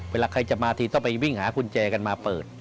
เวลาใครจะมาทีต้องไปวิ่งหากุญแจกันมาเปิด